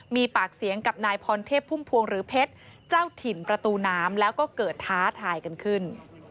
มีปากเสียงกับนายพรเทพพุ่มพวงหรือเพชรเจ้าถิ่นประตูน้ำแล้วก็เกิดท้าทายกันขึ้น